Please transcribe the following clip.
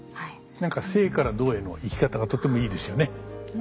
何か静から動への行き方がとてもいいですよね。